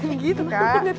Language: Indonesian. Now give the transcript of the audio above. ya bener gitu kak